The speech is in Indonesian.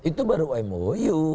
itu baru mou